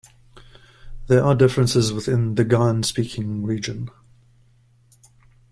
There are differences within the Gan speaking region.